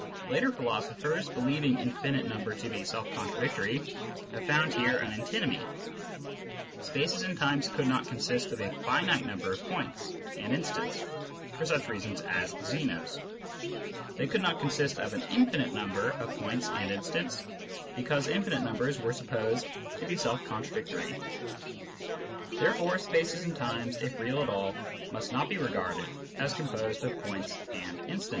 Later philosophers, believing infinite number to be self contradictory, have found here an antinomy : Spaces and times could not consist of 2i finite number of points and instants, for such reasons as Zeno's ; they could not consist of an infinite number of points and instants, because infinite numbers were supposed to be self contradictory. Therefore spaces and times, if real at all, must not be regarded as composed of points and instants.